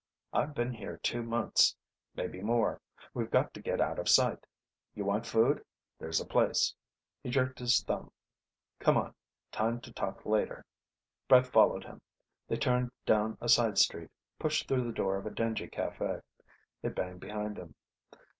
"I've been here two months; maybe more. We've got to get out of sight. You want food? There's a place ..." He jerked his thumb. "Come on. Time to talk later." Brett followed him. They turned down a side street, pushed through the door of a dingy cafe. It banged behind them.